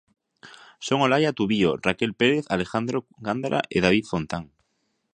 Son Olaia Tubío, Raquel Pérez, Alejandro Gándara e David Fontán.